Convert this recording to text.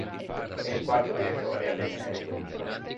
È il quarto direttore a detenere quel titolo.